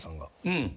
うん。